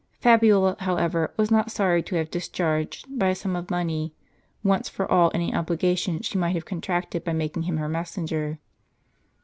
Fabiola, however, was not sorry to have discharged, by a sum of money, once for all any obligation she might have contracted by making him her messenger.